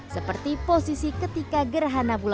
seperti posisi ketika gerhana bulan